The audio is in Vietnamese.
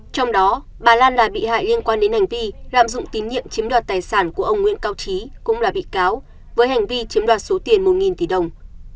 trong đó bà lan là bị hại liên quan đến hành vi lạm dụng tín nhiệm chiếm đoạt tài sản của ông nguyễn cao trí cũng là bị cáo với hành vi chiếm đoạt số tiền một tỷ đồng